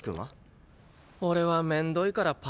俺はめんどいからパスだな。